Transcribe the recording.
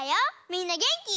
みんなげんき？